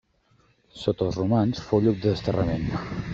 Sota els romans fou lloc de desterrament.